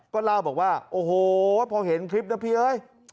ก็เล่าบอกว่าโอ้โหพอเห็นคลิปนะพี่เอ้ย